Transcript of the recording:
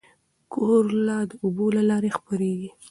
کولرا د اوبو له لارې خپرېږي.